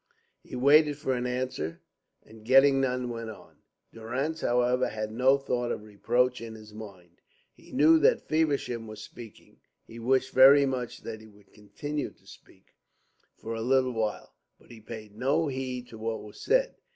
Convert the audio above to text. He waited for an answer, and getting none went on again. Durrance, however, had no thought of reproach in his mind. He knew that Feversham was speaking, he wished very much that he would continue to speak for a little while, but he paid no heed to what was said.